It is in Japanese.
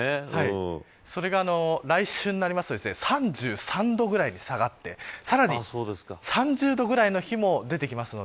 それが来週になりますと３３度ぐらいに下がってさらに３０度ぐらいの日も出てきます。